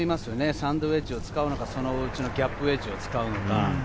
サンドウエッジを使うのか、そのうちのギャップウエッジを使うのか。